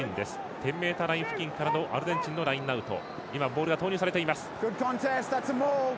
１０ｍライン付近からのアルゼンチンのラインアウト。